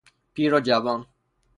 پیر و جوان